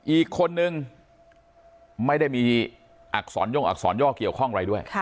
อีกคนนึงไม่ได้มีอักษรย่องอักษรย่อเกี่ยวข้องอะไรด้วย